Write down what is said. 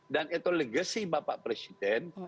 dan itu legasi bapak presiden